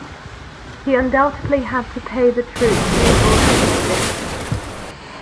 He undoubtedly had to pay the troops he had brought to Italy.